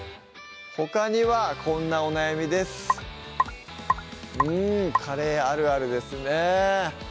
ほかにはこんなお悩みですうんカレーあるあるですね